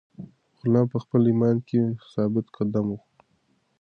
غلام په خپل ایمان کې ثابت قدم و.